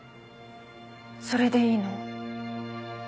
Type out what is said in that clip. それでいいの？